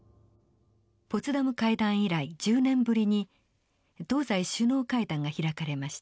ポツダム会談以来１０年ぶりに東西首脳会談が開かれました。